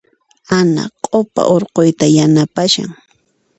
Ana q'upa hurquyta yanapashan.